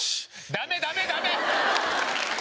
ダメダメダメ！